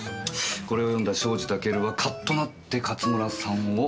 これを読んだ庄司タケルはカッとなって勝村さんを。